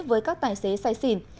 với các tài xế say xỉn